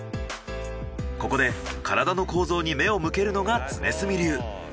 ここで体の構造に目を向けるのが常住流。